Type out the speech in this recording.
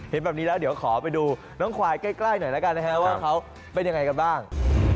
เห็นแบบนี้แล้วเดี๋ยวขอไปดูน้องควายใกล้หน่อยแล้วกันนะครับว่าเขาเป็นยังไงกันบ้าง